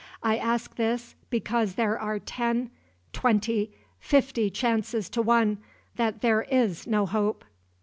I ask this, because there are ten twenty fifty chances to one that there is no hope."